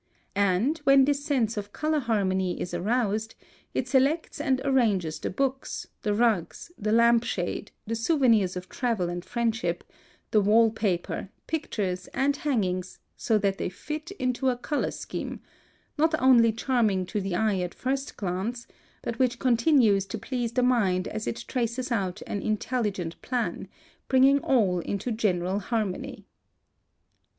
And, when this sense of color harmony is aroused, it selects and arranges the books, the rugs, the lamp shade, the souvenirs of travel and friendship, the wall paper, pictures, and hangings, so that they fit into a color scheme, not only charming to the eye at first glance, but which continues to please the mind as it traces out an intelligent plan, bringing all into general harmony.